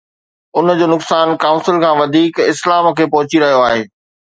ان جو نقصان ڪائونسل کان وڌيڪ اسلام کي پهچي رهيو آهي.